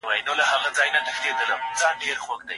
هغه له لوستلو وروسته تم کړی و.